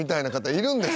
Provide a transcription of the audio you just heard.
いるんです。